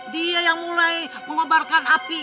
dia yang mulai mengobarkan api